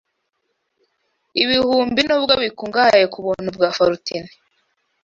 Ibihumbi nubwo bikungahaye kubuntu bwa Forutune